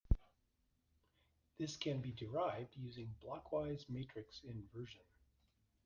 This can be derived using blockwise matrix inversion.